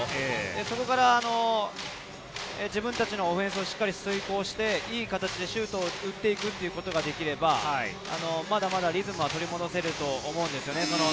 そこから自分たちのオフェンスを遂行して、いい形でシュートを打っていくことができれば、まだまだリズムは取り戻せると思うんですよね。